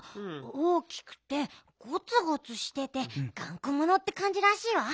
大きくてゴツゴツしててがんこものってかんじらしいわ。